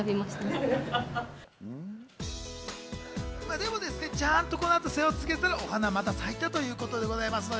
でも、ちゃんとこの後世話を続けたら、お花はまた咲いたということです。